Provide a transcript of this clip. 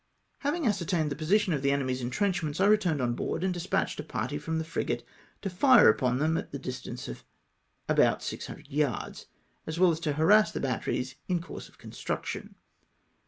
Having ascertained the position of the enemy's en trenchments, I returned on board, and despatched a party from the frigate to fire upon them at the distance of about COO yards, as well as to harass the batteries in course of construction.